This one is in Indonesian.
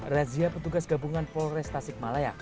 razia petugas gabungan polresta tasik malaya